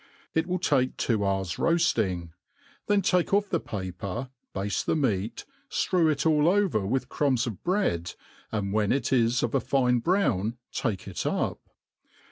It will take two hours roailing : then, take off the paper, bade the meat, ftrew it all over with crumbi of bread, jand when it is of a fine brown take it up.